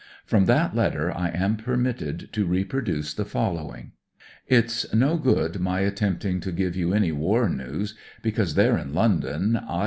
From that letter I am permitted to reproduce the following : "It's no good my attempting to give you any war news, because there in London I 144 NEWS FOR HOME O.C.